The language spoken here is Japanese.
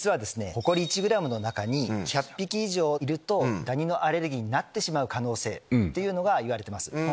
ホコリ１ｇの中に１００匹以上いるとダニのアレルギーになってしまう可能性っていうのがいわれてます